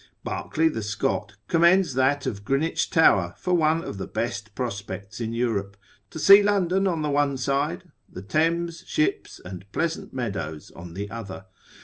Barclay the Scot commends that of Greenwich tower for one of the best prospects in Europe, to see London on the one side, the Thames, ships, and pleasant meadows on the other.